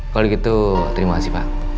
kalau gitu terima kasih pak